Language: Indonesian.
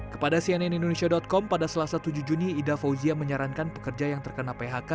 kepada cnn indonesia com pada selasa tujuh juni ida fauzia menyarankan pekerja yang terkena phk